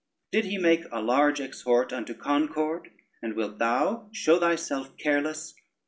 Did he make a large exhort unto concord, and wilt thou show thyself careless?